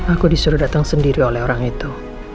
aku disuruh datang sendiri oleh orang itu